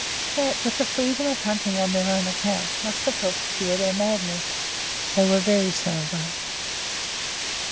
That, with the freedom of hunting on their own account, must have helped to cure their madness. They were very sober.